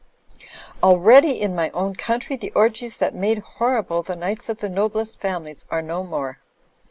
Already in my own country the orgies that made horrible the nights of the noblest families are no more.